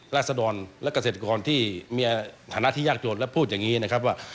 ราศดรและเกษตรกรที่มีฐานะที่ยากจนและพูดอย่างนี้นะครับว่า